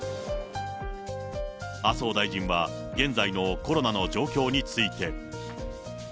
麻生大臣は現在のコロナの状況について。